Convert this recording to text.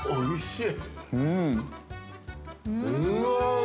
◆おいしい。